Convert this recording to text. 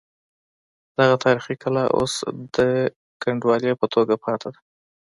دغه تاریخي کلا اوس د کنډوالې په توګه پاتې ده.